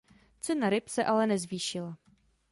Cena ryb se ale nezvýšila.